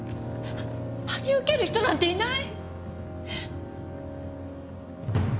真に受ける人なんていない。